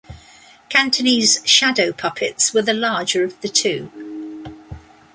Cantonese shadow puppets were the larger of the two.